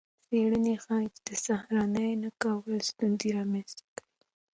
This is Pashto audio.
څیړنې ښيي چې د سهارنۍ نه کول ستونزې رامنځته کوي.